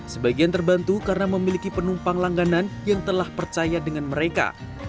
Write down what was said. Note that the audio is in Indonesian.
sebagian terbantu karena memiliki penumpang langganan yang telah percaya dengan mereka